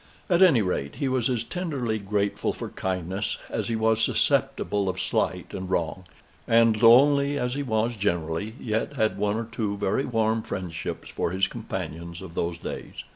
At any rate, he was as tenderly grateful for kindness as he was susceptible of slight and wrong; and, lonely as he was generally, yet had one or two very warm friendships for his companions of those days.